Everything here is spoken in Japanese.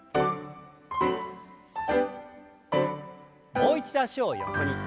もう一度脚を横に。